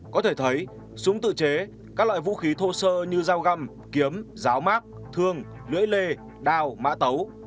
có thể thấy súng tự chế các loại vũ khí thô sơ như dao găm kiếm ráo mát thương lưỡi lê đao mã tấu